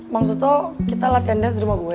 maksud lo kita latihan dan sederhana gue